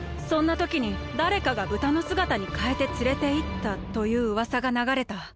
そんなときにだれかがブタのすがたにかえてつれていったといううわさがながれた。